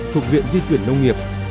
thuộc viện di chuyển nông nghiệp